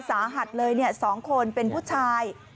สาหัสเลย๒คนเป็นผู้ชาย